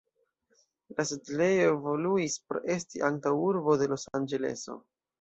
La setlejo evoluis por esti antaŭurbo de Los-Anĝeleso.